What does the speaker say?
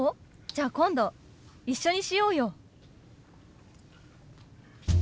じゃ今度一緒にしようよ。